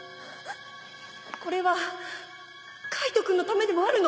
これは海人くんのためでもあるの！